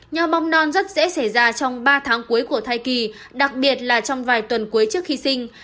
nhom non rất dễ xảy ra trong ba tháng cuối của thai kỳ đặc biệt là trong vài tuần cuối trước khi sinh